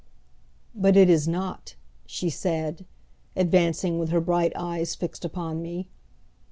"But it is not," she said, advancing, with her bright eyes fixed upon me.